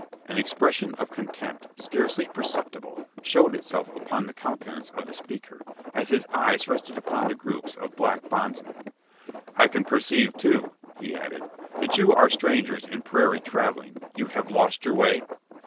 An expression of contempt scarce perceptible showed itself upon the countenance of the speaker, as his eye rested upon the groups of black bondsmen. "I can perceive, too," he added, "that you are strangers to prairie travelling. You have lost your way?"